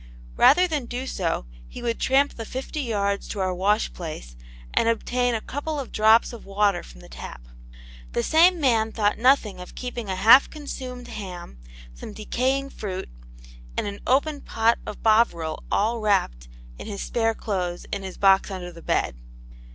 Rather than do so he would tramp the fifty yards to our wash place and obtain a couple of drops of water from the tap. (The same man thought nothing of keeping a half consumed ham, some decaying fruit, and an opened pot of Bovril all wrapped in his spare clothes in his box under his bed.